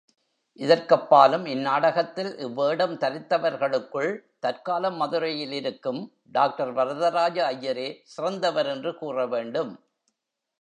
இதற்கப்பாலும் இந்நாடகத்தில் இவ்வேடம் தரித்தவர்களுக்குள் தற்காலம் மதுரையில் இருக்கும் டாக்டர் வரதராஜ ஐயரே சிறந்தவர் என்று கூற வேண்டும்.